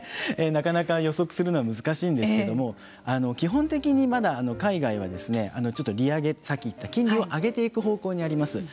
なかなか予測するのは難しいんですけれども基本的にまだ海外はちょっと利上げ金利を上げていく方向にあります。